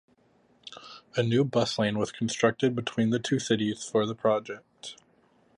A new bus lane was constructed between the two cities for the project.